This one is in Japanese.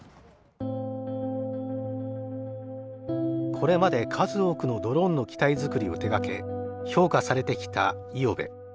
これまで数多くのドローンの機体作りを手がけ評価されてきた五百部。